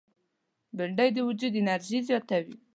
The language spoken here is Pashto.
بېنډۍ د وجود انرژي زیاتوي